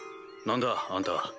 何だあんた。